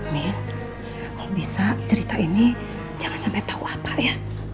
mil kalau bisa cerita ini jangan sampai tahu apa ya